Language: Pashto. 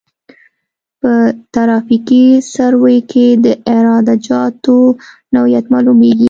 په ترافیکي سروې کې د عراده جاتو نوعیت معلومیږي